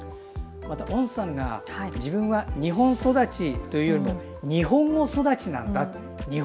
温さんが自分は日本育ちというよりも日本語育ちなんだと。